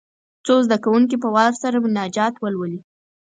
څو زده کوونکي په وار سره مناجات ولولي.